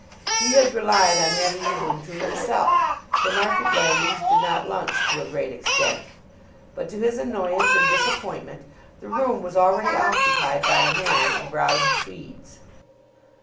He had relied on having the room to himself, for Market Blandings did not lunch to a great extent; but to his annoyance and disappointment the room was already occupied by a man in brown tweeds.